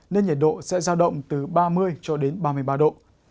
nên nhiệt độ sẽ ra động từ ba mươi ba mươi năm độ